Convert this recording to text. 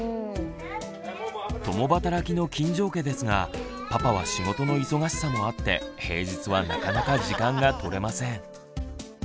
共働きの金城家ですがパパは仕事の忙しさもあって平日はなかなか時間が取れません。